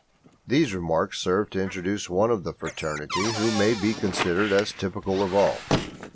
These remarks serve to introduce one of the fraternity who may be considered as typical of all.